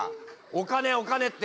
お金お金って。